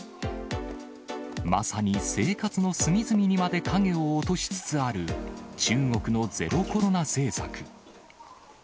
まさに生活の隅々にまで影を落としつつある中国のゼロコロナ政策。